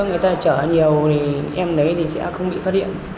người ta chở nhiều thì em lấy thì sẽ không bị phát điện